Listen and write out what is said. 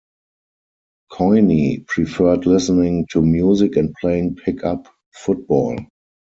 Coyne preferred listening to music and playing pickup football.